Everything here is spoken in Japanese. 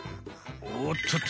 おっとっと。